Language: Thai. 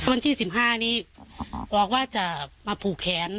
วันที่๑๕นี้บอกว่าจะมาผูกแขน